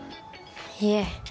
いえ